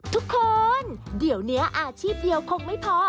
ทุกคนเดี๋ยวนี้อาชีพเดียวคงไม่พอ